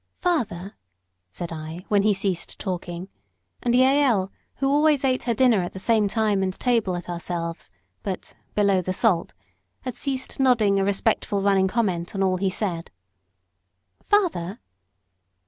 "Father," said I, when he ceased talking and Jael, who always ate her dinner at the same time and table as ourselves, but "below the salt," had ceased nodding a respectful running comment on all he said "Father?"